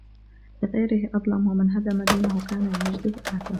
لِغَيْرِهِ أَظْلَمَ ، وَمَنْ هَدَمَ دِينَهُ كَانَ لِمَجْدِهِ أَهْدَمَ